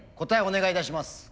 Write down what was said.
答えお願いいたします。